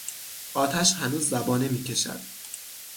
آتش هنوز زبانه میکشد.